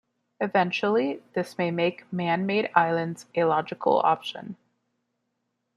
Eventually, this may make man-made islands a logical option.